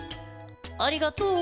「ありがとう！」。